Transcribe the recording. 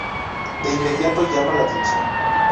De inmediato llama la atención.